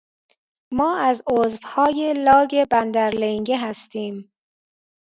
ما از عضوهای لاگ بندر لِنگِه هستیم.